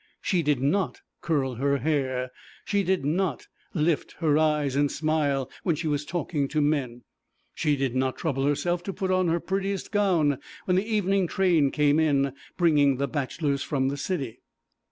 She did not curl her hair; she did not lift her eyes and smile when she was talking to men; she did not trouble herself to put on her prettiest gown when the evening train came in, bringing the bachelors from the city.